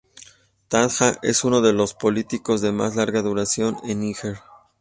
Tandja es uno de los políticos de más larga duración del Níger.